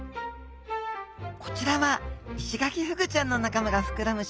こちらはイシガキフグちゃんの仲間が膨らむ